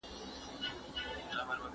¬ چي په اسانه ئې گټې، په اسانه ئې بايلې.